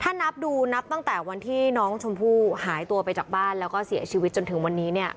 ถ้านับดูนับตั้งแต่วันที่น้องชมพู่หายตัวไปจากบ้านแล้วก็เสียชีวิตจนถึงวันนี้เนี่ย